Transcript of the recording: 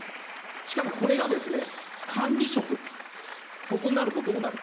しかもこれが管理職、ここになるとどうなるか。